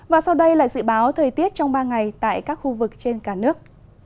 và sau đây là dự báo thời tiết trong ba ngày tại các khu vực trên cả nước